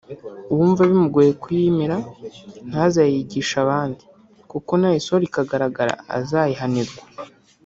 uwumva bimugoye kuyimira ntazayigishe abandi kuko nayisohora ikagaragara azayihanirwa